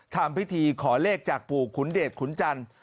ทำพิธีขอเลขจากปู่ขุนเดชขุนจันทร์